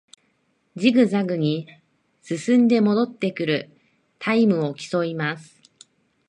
ジグザグに進んで戻ってくるタイムを競います